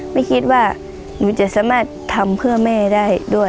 ไม่คิดว่าหนูจะสามารถทำเพื่อแม่ได้ด้วย